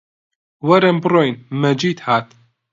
وەرن بڕۆین! مەجید هات